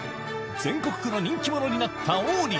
全国区の人気者になった王林